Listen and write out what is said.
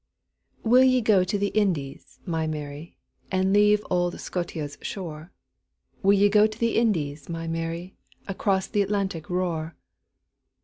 WILL ye go to the Indies, my Mary, And leave auld Scotia's shore? Will ye go to the Indies, my Mary, Across th' Atlantic roar?